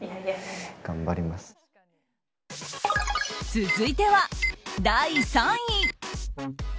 続いては第３位。